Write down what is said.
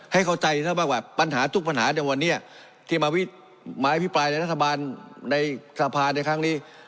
ให้เข้าใจซะบ้างว่าปัญหาทุกปัญหาในวันนี้ที่มาอภิปรายในรัฐบาลในสภาในครั้งนี้